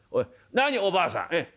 何おばあさん？